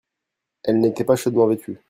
Elle n'était pas chaudement vêtue.